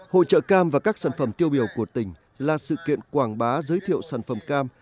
hội trợ cam và các sản phẩm tiêu biểu của tỉnh là sự kiện quảng bá giới thiệu sản phẩm cam